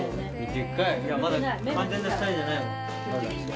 いやまだ完全な二重じゃないもん。